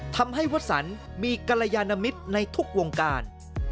ทำให้วสันมีกรยานมิตรในทุกวงการ